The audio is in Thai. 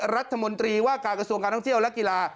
รัฐมนตรีว่าการกระทรวงการท่องเที่ยวและกีฬา